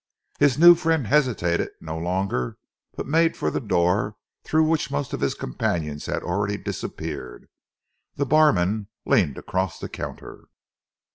His new friend hesitated no longer but made for the door through which most of his companions had already disappeared. The barman leaned across the counter.